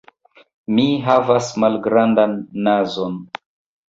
Mi havas malgrandan nazon.